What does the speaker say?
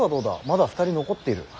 まだ２人残っている。